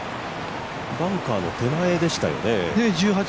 バンカーの手前でしたよね。